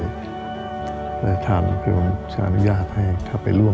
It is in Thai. ใจทางพระองค์สาญญาปะให้เขาไปร่วม